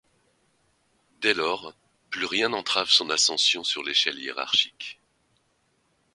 Dès lors plus rien n’entrave son ascension sur l’échelle hiérarchique.